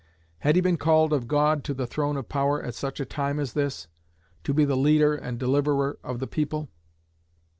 Had he been called of God to the throne of power at such a time as this, to be the leader and deliverer of the people?